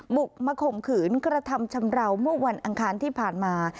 บุกมาข่มขืนกระทำชำราวเมื่อวันอังคารที่ผ่านมา